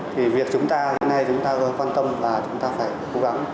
thì việc chúng ta hiện nay chúng ta quan tâm và chúng ta phải cố gắng